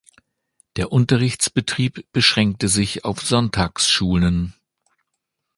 Der Unterrichtsbetrieb beschränkte sich auf Sonntagsschulen.